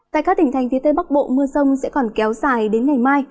tại các tỉnh thành phía tây bắc bộ mưa rông sẽ còn kéo dài đến ngày mai